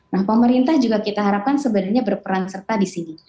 nah pemerintah juga kita harapkan sebenarnya berperan serta di sini